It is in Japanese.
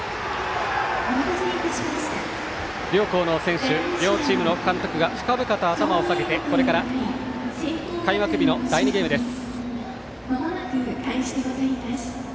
両校の選手両チームの監督が深々と頭を下げて、これから開幕日の第２ゲームです。